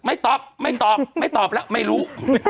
ไม่ตอบไม่ตอบไม่ตอบแล้วไม่รู้